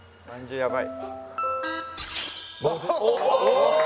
「やばい！」